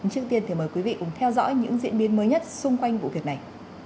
trước tiên thì mời quý vị cùng theo dõi những diễn biến mới nhất xung quanh vụ việc này